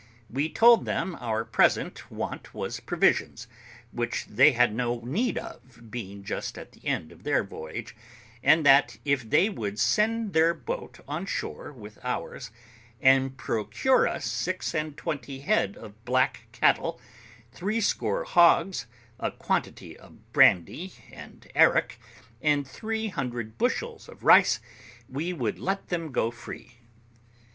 We told them our present want was provisions, which they had no need of, being just at the end of their voyage; and that, if they would send their boat on shore with ours, and procure us six and twenty head of black cattle, threescore hogs, a quantity of brandy and arrack, and three hundred bushels of rice, we would let them go free.